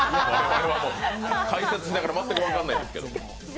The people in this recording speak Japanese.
解説聞きながら全く分からないですけど。